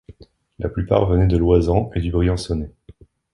La plupart venaient de l'Oisans et du Briançonnais.